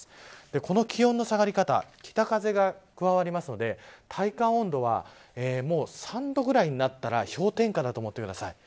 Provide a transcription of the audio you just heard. この気温の下がり方北風が加わるので体感温度は３度ぐらいになったら氷点下だと思ってください。